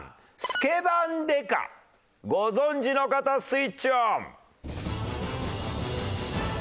スケバン刑事ご存じの方スイッチオン。